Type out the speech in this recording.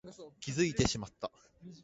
気づいてしまった